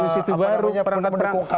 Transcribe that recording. sistem baru perangkat perangkat